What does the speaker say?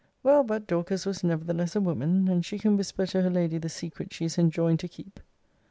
Well, but Dorcas was nevertheless a woman, and she can whisper to her lady the secret she is enjoined to keep!